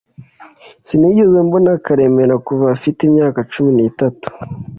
Sinigeze mbona Karemera kuva afite imyaka cumi n'itatu